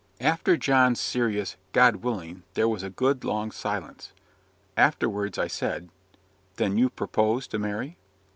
After John's serious "God willing," there was a good long silence. Afterwards, I said "Then you propose to marry?"